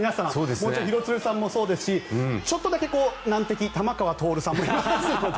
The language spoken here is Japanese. もちろん廣津留さんもそうですしちょっとだけ難敵・玉川徹さんもいますので。